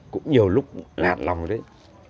cũng nhiều lúc lạ lòng đấy